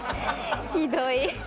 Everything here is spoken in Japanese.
ひどい。